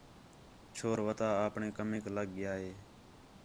چھور وَتا اپݨے کمیک لڳ ڳِیا ہِے